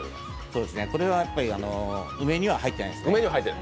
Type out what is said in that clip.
これは梅には入ってないですね。